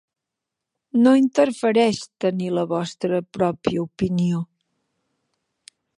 No interfereix tenir la vostra pròpia opinió.